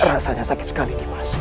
asalnya sakit sekali